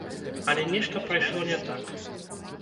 Але нешта пайшло не так.